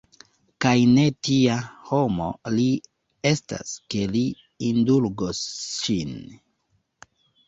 Kaj ne tia homo li estas, ke li indulgos ŝin!